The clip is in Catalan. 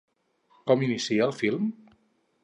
Com inicia el film?